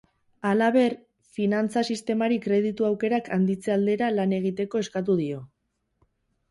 Halaber, finantza sistemari kreditu aukerak handitze aldera lan egiteko eskatu dio.